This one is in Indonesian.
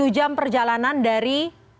tujuh jam perjalanan dari